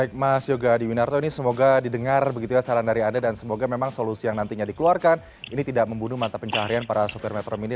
baik mas yoga adiwinarto ini semoga didengar begitu ya saran dari anda dan semoga memang solusi yang nantinya dikeluarkan ini tidak membunuh mata pencaharian para sopir metro mini